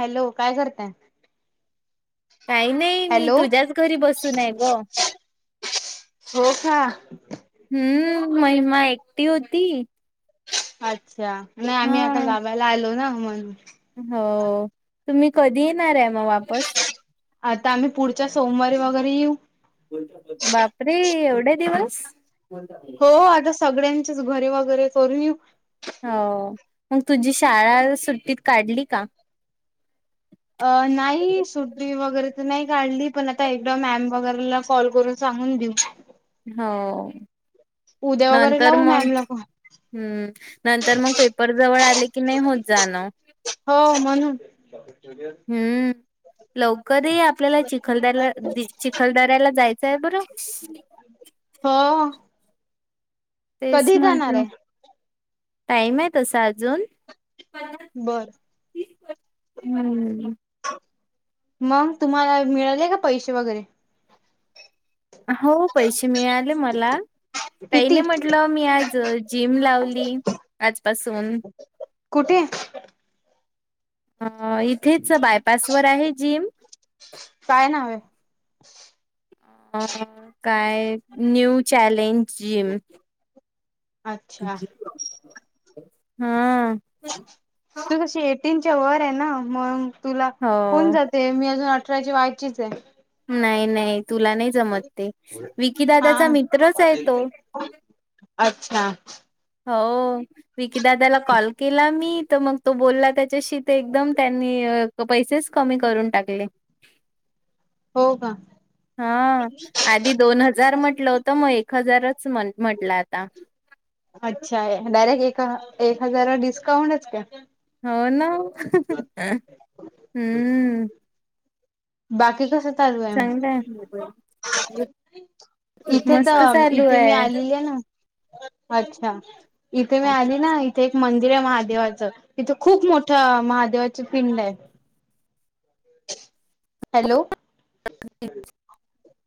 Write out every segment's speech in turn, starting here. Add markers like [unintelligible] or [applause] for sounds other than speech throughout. Hello काय करतय... काही नाही मी तुझ्याच घरी बसूनय ग... हो खा हम्म महिमा एकटी होती.. अच्छा नाही, हा आम्ही आता गावायला आलो ना म्हण, हो तुम्ही कधी येणार आहे, मग वापस? आता आम्ही पुढच्या सोमवारी वगैरे येऊ, लय दिवस, हो आता सगळ्यांचेच घरे वगैरे करून ये, हो मग, तुझी शाळा सुट्टीत काढली का, अ नाही सुट्टी वगैरे तर नाही काढली, पण आता एकदा मॅम वगरेला, कॉल करून सांगून देऊ, हो उद्या वगैरे नंतर लावू मग मॅमला कॉल हम्म नंतर मग पेपर जवळ आले की नाही होत जाणं.. हो मग.... लवकरही आपल्याला चिखलदऱ्याला चिखलदऱ्याला जायचं आहे बर... हा... तेच म्हटल टाईम आहे तस आज... जून बर हम्म.. मग तुम्हाला मिळाले का पैसे वगैरे... हो पैसे मिळाले मला काही किती नाही म्हटलं मी आज जिम लावली आजपासून... होती... अ इथेच बायपासवरर आहे जिम... काय ना ह.... अ काय न्यू चॅलेंज जिम. अच्छा... हम्म.... तू कशी एटीनच्या वर आहे ना मग... तुला होन हो जाते मी अजून अठराची व्हायचीच आहे... नाही नाही तुला नाही जमत ते विकी दादाचा हा मित्रच आहे तो.... अच्छा.... हो विकीदादाला कॉल केला मी तर मग तो बोलला त्या.... शी एकदम त्यांनी पैसेच कमी करून टाकले... हो का... हा आधी दोन हजार म्हटलं होतं मग एक हजारच म्हटलं आता... अच्छा आहे डायरेक्ट एक... एक हजार डिस्काउंटच असतो... हो ना हम्म... बाकी कस... चांगलंय.... इथे मस्त तर चालू इथे मी आलेली आहे ना.... अच्छा इथे मी आली ना इथे एक मंदिर आहे महादेवाच इथे खूप मोठ..... ह महादेवाची पिंड आहे.... हॅलो.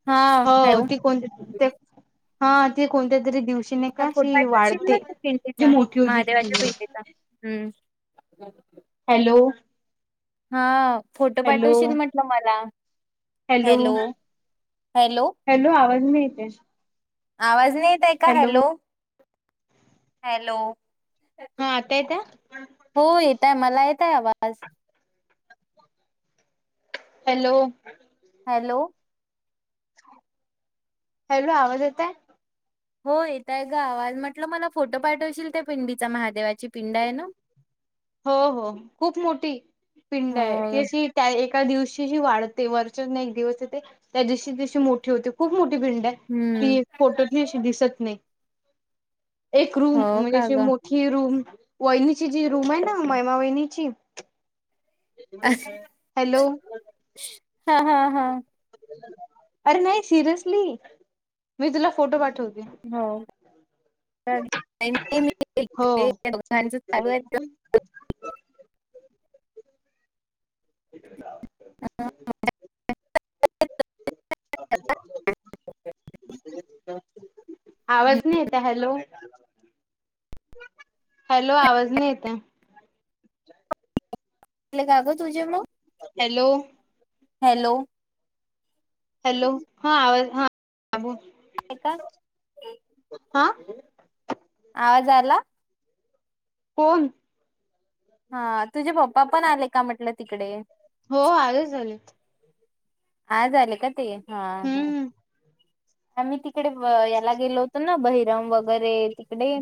हा हो हॅलो ती कोणती [unintelligible] हा ती कोणत्या तरी दिव. फोट [unintelligible] पा शिल पिंडीचा मोठी होती महादेवाच्या पिंडीचा हम्म. [inaudible] हॅलो. हा फोटो हॅलो पाठवशील म्हटलं मला. हॅलो हॅलो आवाज नई येत हे. आवाज नाही येत आहे का हॅलो हॅलो. हा आता येतोय? हो येतय मला येतय आवाज. हॅलो.... हॅलो.... हॅलो आवाज येतोय.... हो येतय गावाल म्हटलं मला फोटो पाठवशील त्या पिंडीचा महादेवाची पिंड आहे ना.... हो हो खूप मोठी पिंड आहे ती हो अशी त्या.... ए दिवशीशी वाढते वरच्या ना एक दिवस येते त्या दिवशी तशी मोठी होते खूप मोठी..... पिंड हम्म ती फोटो अशी दिसत नाही..... एक रूम हो का म्हणजेशी ग मोठी रूम वहिनीची जी रूम आहे ना..... महिमा वहिनीची हॅलो... हा हा हा..... अरे नाही सिरियसली, मी तुला फोटो पाठवतो. हो. हो [unintelligible] [inaudible] [inaudible] ह. [unintelligible] आवाज नाही यता हॅलो. हॅलो आवाज नाही येतय. [unintelligible] कागो तुझे मग हॅलो हॅलो. हॅलो हा आवाज हा. ता हा. आवाज आला. फोन. हा तुझे पप्पा पण आले का म्हटलं तिकडे. हो आलेच आलेत. हा झाले का ते हा हम्म आम्ही ती तिकडे याला गेलो होत ना, बहिरम वगैरे तिकडे.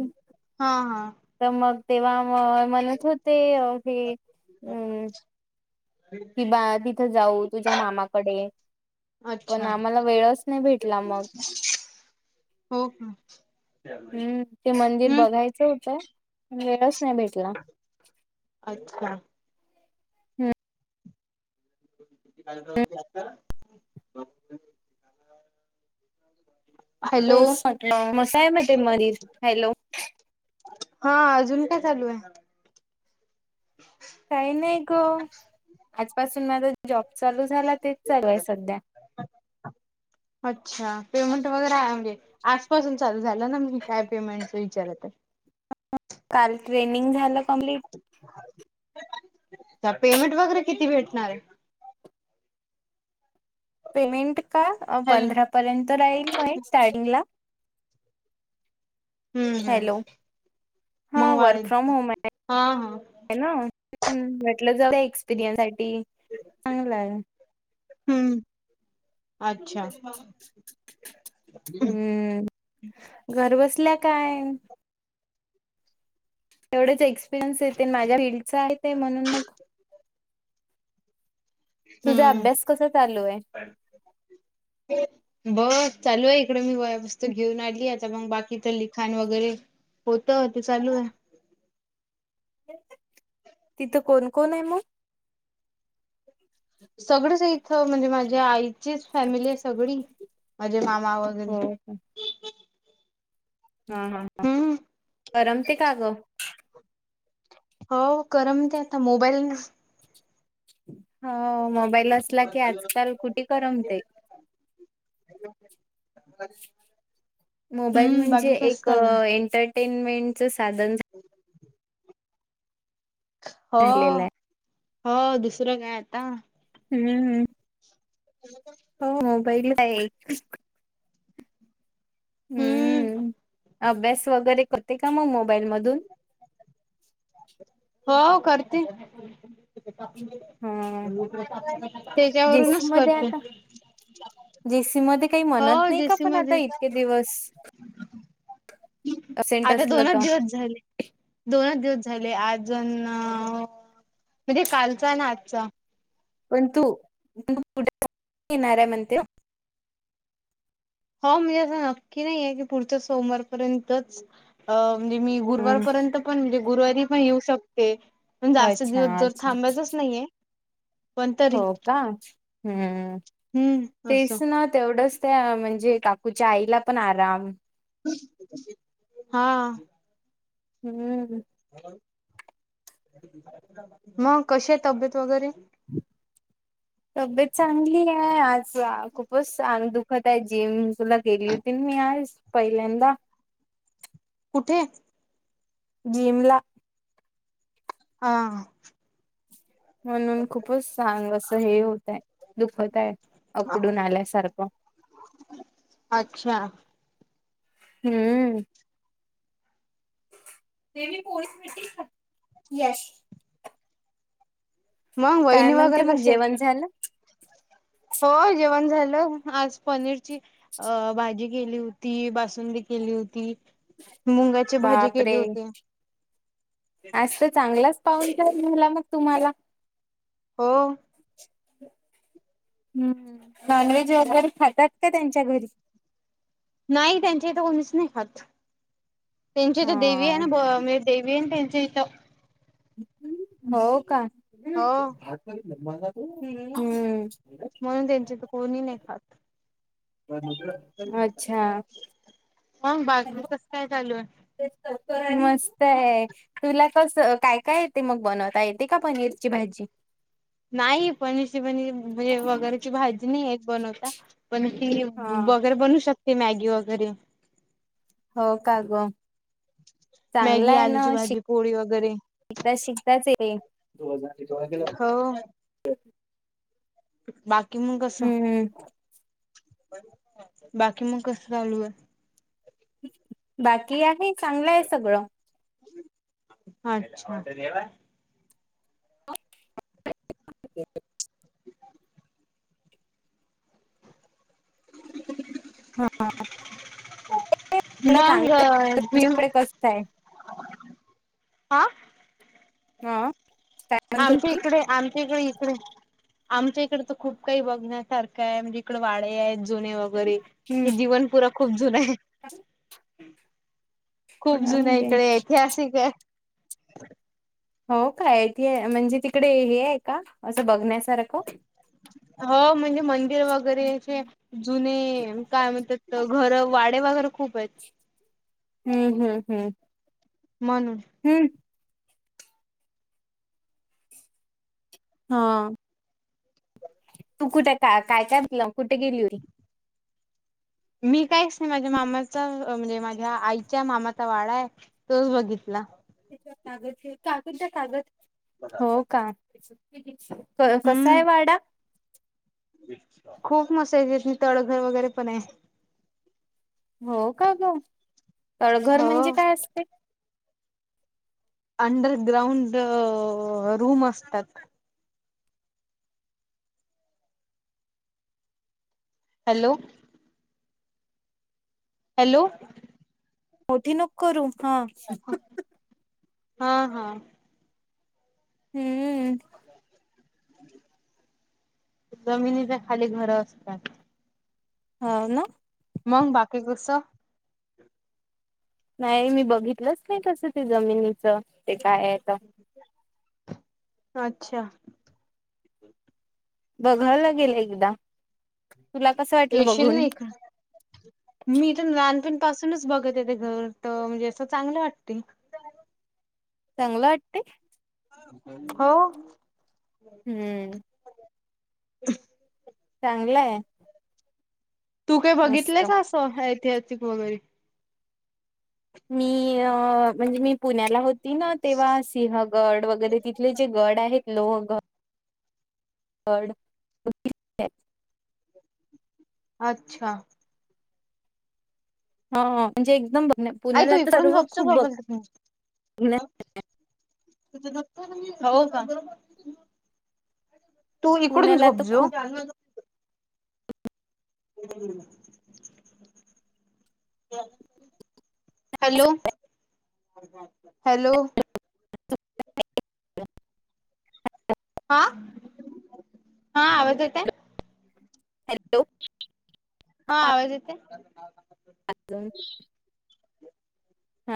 हा हा. तर मग तेव्हा म म्हणत होते की अम. कि बा तिथं जाऊ तुझ्या मामाकडे. पण अच्छा आम्हाला वेळच नाही भेटला मग. [inaudible] हम्म ते मंदिर हम्म बघायचं होतं पण वेळस् अच्छा. [unintelligible] हॅलो तेस म्हंटल ते मसाय मते मारीज हॅलो. हा अजून का चालू आहे? हम [inaudible] काही नाही ग आजपासून माझ जॉब झाल तेच चालू आहे सध्या. अच्छा पेमेंट वगैरे आहे म्हणजे. आजपासून चालू झालं ना म्हे काय पेमेंटचा विचारत आहे. काल ट्रेनिंग झालं कंप्लीट तर पेमेंट वगैरे किती भेटणार आहे. पेमेंट का हॅलो पंधरा पर्यंत राहील म स्टार्टिंगला हम्म हम्म. हॅलो हा मग वर्क वाढेल फ्रॉम होम आहे. हा हा ना म्हटलं जाऊ एक्सपिरियन्स सा चांगला आहे. हम्म. अच्छा हम्म गर्वस्थ तसल्या काय? तेवढेच एक्सपिरियन्स येते माझ्या फीलल्डचा आहे ते म्हणून मग. तुझा हम्म अभ्यास कसा चालू आहे? बस. चालू आहे इकडे मी वह्या पुस्तके, घेऊन आणली आता मग बाकी तर लिखाण वगैरे होत तव्हा ते चालू हे. तिथं कोण कोण आहे मग? सगळच इथ म्हणजे माझ्या आईचीच फॅमिली अस सगळी माझे मामा वगैरे हो का हा हा हा हम्म करमते का ग? हो करम ते आता मोबाईल हो मोबाईल असला की आजकाल कुठे करमते [unintelligible] मोबाईल हम्म म्हणजे बाकी कस एक चालू आहे एंटरटेनमेंटच सा [unintelligible] हो झालेलं आहे. हो दुसरं काय आता हम्म हम्म. [unintelligible] हो मोबाईल आहे. हम्म. अभ्यास वगैरे करते का मग मोबाईल मधून हो करते. हा जेसी त्याच्यावरूनच मध्ये करते. आता जेसी म काही हो म्हणत नाही का जेसी पण आता मध्ये इतके दिवस. अबसेंट आता असलं दोनच तर दिवस झाले दोनच दिवस झा झाले अजून म्हणजे कालचा ना आजचा. [unintelligible] म्हणते. हो म्हणजे असं नक्की नाही आहे की पुढच्या सोमवार पर्यंतच अ म्हणजे मी गुरुवारपर्यंत पण म्हणजे गुरुवारी पण येऊ शकते. पण जास्त अच्छा दिवस जर अच्छा थांबायचाच नाहीये. पण तरी हो का हम्म हम्म तस असं ना तेवढंच म्हणजे काकूच्या आईला पण आराम. हा. हम्म. मग कशी तब्येत वगैरे तब्येत चांगली आहे आज खूपच अंग दुख दखत आहे जिमला गेली होती मी आज पहिल्यांदा. कुठे? जिमला. हा. म्हणून खूपच सांग असं हे होत आहे दुखत आहे. उकडून आल्यासारखं अच्छा हम्म तेस भेट यश मंग काय वहिनी म्हणते वगैरे मग कश आहेत जेवण झालं हो जेवण झालं आज पनीरची अ भाजी केली होती बासुंदी केली होती मुंगाची भाजी बापरे केली होती आज तर चांगलाच पाऊल झाला मग तुम्हाला हो. हम्म नॉन व्हेज वगैरे खातात का त्यांच्या घरी नाही त्यांच्या इ तर कोणीच नाही खात त्यांची इथ देवी आहे हा. ना म्हणजे देवी आहे त्यांची इथं हो का हम्म. हो. म्हणून त्यांच्या इथं कोणी नाही खात. अच्छा. मंग बाकी कस काय चालू आहे. ण मस्त आहे तुला कस काय काय येते मग बनवता येते का पनीर ची भाजी. नाही पनीरची पनीर म्हणजे वगैरेची भाजी नाही येत बनवता पण ती हा बगर बनू शकते मॅगी वगैरे हो कागो मॅगी आलूची भाजी पोळी वगैरे श शिकताच हो. बाकी मग कस हम्म बाकी मग कस चालू आहे बाकी आहे चांगलंय आहे सगळं अच्छा हा मांग जीव तुमच्याकडे कसं आहे? आा हा काय म्हणत आमच्या होती? इकडे आमच्या इकडे आमच्या इकड तर खूप काही बघण्यासारखं आहे म्हणजे इकड वाडे आहे जुने वगैरे हे जीवनपुरा खूप जुन आहे खूप जुन हम्म. इकडे ऐतिहासिक आहे हो कायय त म्हणजे तिकडे हे आहे का असं बघण्यास हो म्हणजे म्ह वरे वगैरे जु काय म्हणतात घरडेगरे हम्म हम्म हम्म म्हणून हम्म हा तू कुठे का काय कायलं कुठे गेली होई मी काहीच नाही माझ्या मामाचा म्हणजे माझ्या आईच्या मामाचा वाडा आहे तोच बघितला काग काग कागद हो का क कसा हम्म आहे वाडा खूप मसातयची म तळघर वगैरे पण आहे. हो का ग तळघर हो म्हणजे काय असतंय? अंडर ग्राउंड रूम असतात. हॅलो. हॅलो. मोठी नक करू हा. हा हा. हम्म. [unintelligible] जमिनीच्या खाली घर असतात. हा ना. मंग बाकीे कस? नाही मी बघितलंच नाही तसं ते जमिनीच ते काय आहे तर अच्छा. बघावं लागेल एकदा. तुला कसं वाटलं येशील बघून नाही इकडं मी तर लहानपण पासूनच बघत ते घर तर म्हणजे असं चांगलं वाटतंय. चांगलं वाटतंय. हो. हम्म. [unintelligible] चांगलं हाय. तू काही बघितलंय का असं ऐतिहासिक वगैरे मी म्हणजे मी पुण्याला होती ना तेव्हा सिंहगड वगैरे तिथले जे गड आहेत लो [unintelligible] गड अच्छा. हा म्हणजे एकदम ब [unintelligible] बघण्या हो का. तू इकडून पुण्याला तर झोपजो. खूप [unintelligible] हम्. Hello hello. [unintelligible] हा हा आवाज येतय. हॅलो. हा आवाज येतय. अजून.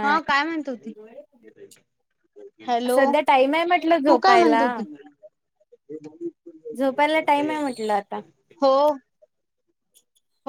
हा काय म्हणत हो ती हॅलो. सध्या टाइम आहे म्हटलं तू काय म्हणत झोपायला होती? झोपायला टाइम आहे म्हटलं आता हो. [unintelligible]